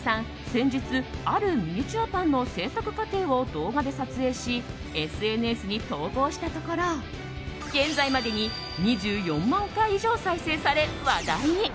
先日、あるミニチュアパンの制作過程を動画で撮影しＳＮＳに投稿したところ現在までに２４万回以上再生され話題に。